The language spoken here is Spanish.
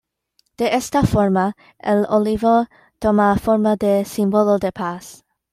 De esta forma el olivo toma forma de símbolo de paz.